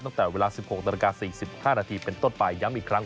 ตั้งแต่เวลา๑๖น๔๕นเป็นต้นปลายย้ำอีกครั้ง